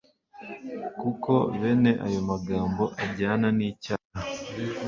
kuko bene ayo magambo ajyana n'icyaha